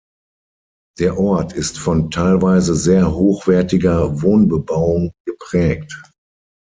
Der Ort ist von teilweise sehr hochwertiger Wohnbebauung geprägt.